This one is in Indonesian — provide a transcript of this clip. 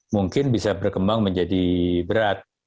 mungkin bisa berkembang menjadi berat